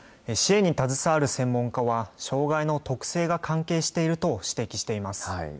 支援に携わる専門家は障害の特性が関係していると指摘しています。